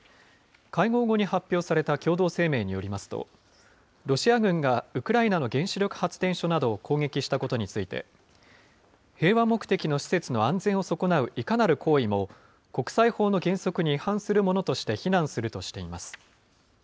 会合後に発表された共同声明によりますと、ロシア軍がウクライナの原子力発電所などを攻撃したことについて、平和目的の施設の安全を損なういかなる行為も、国際法の原則に違反するものとして非難するとしています。